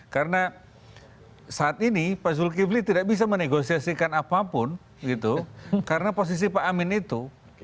karena saat ini pak zulkifli tidak bisa menegosiasikan apapun karena posisi pak amin itu